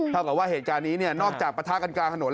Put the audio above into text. เท่ากับว่าเหตุการณ์นี้นอกจากปะทะกันกลางถนน